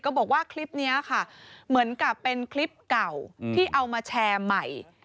บอกว่าคลิปนี้ค่ะเหมือนกับเป็นคลิปเก่าที่เอามาแชร์ใหม่